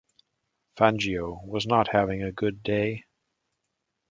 Fangio was not having a good day.